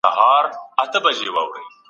د لویې جرګي تاریخي اسناد څه ډول ساتل کیږي؟